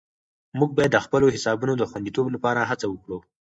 موږ باید د خپلو حسابونو د خوندیتوب لپاره هڅه وکړو.